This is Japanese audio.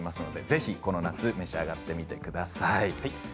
ぜひこの夏に召し上がってみてください。